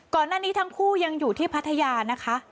ก่อนหน้านี้ทั้งคู่ยังอยู่ที่พัทยานะคะ